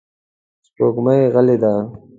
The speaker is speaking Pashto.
سپوږمۍ غلې ده.